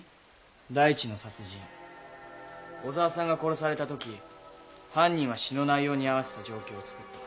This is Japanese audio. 第一の殺人小沢さんが殺された時犯人は詩の内容に合わせた状況をつくった。